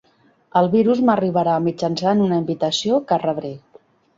El virus m'arribarà mitjançant una invitació que rebré.